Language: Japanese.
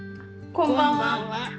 「こんばんは」。